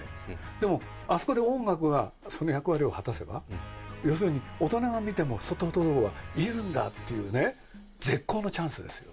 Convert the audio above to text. でもあそこで音楽がその役割を果たせば、要するに大人が見ても、トトロがいるんだっていうね、絶好のチャンスですよ。